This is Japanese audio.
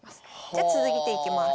じゃ続いていきます。